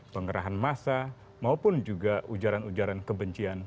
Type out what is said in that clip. pengerahan massa maupun juga ujaran ujaran kebencian